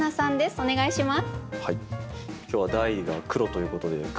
お願いします。